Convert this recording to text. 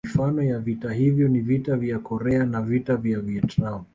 Mifano ya vita hivyo ni Vita ya Korea na Vita ya Vietnam